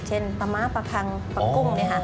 ปลาม้าปลาคังปลากุ้ง